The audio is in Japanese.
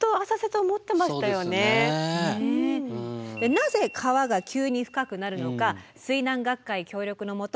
なぜ川が急に深くなるのか水難学会協力のもと